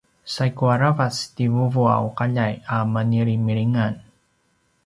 saigu aravac ti vuvuaqaljay a menilimilingan